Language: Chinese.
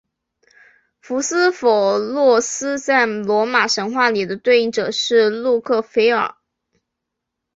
福斯否洛斯在罗马神话里的对应者是路喀斐耳。